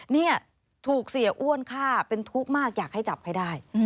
เนี่ยถูกเสียอ้วนฆ่าเป็นทุกข์มากอยากให้จับให้ได้